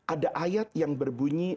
ada ayat yang berbunyi